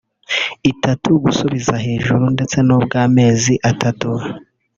itatu gusubiza hejuru ndetse n’ubw’mezi atatu